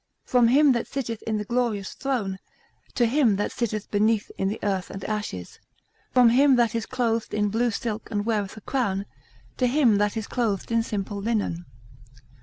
From him that sitteth in the glorious throne, to him that sitteth beneath in the earth and ashes; from him that is clothed in blue silk and weareth a crown, to him that is clothed in simple linen.